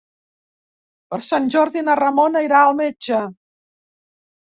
Per Sant Jordi na Ramona irà al metge.